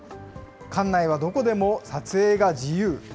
館内はどこでも撮影が自由。